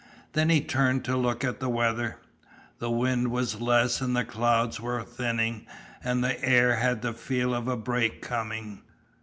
Then he turned to look at the weather. The wind was less and the clouds were thinning and the air had the feel of a break coming.